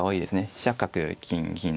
飛車角金銀と。